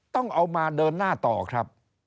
ต้องเอามาเดินหน้าต่อครับ